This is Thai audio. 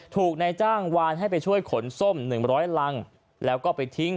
ถูกนายจ้างวานให้ไปช่วยขนส้ม๑๐๐รังแล้วก็ไปทิ้ง